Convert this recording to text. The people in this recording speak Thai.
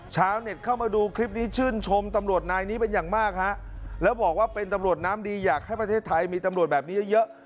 ชาวเน็ตเข้ามาดูคลิปนี้ชื่นชมตำรวจนายนี้เป็นอย่างมากฮะแล้วบอกว่าเป็นตำรวจน้ำดีอยากให้ประเทศไทยมีตำรวจแบบนี้เยอะเยอะ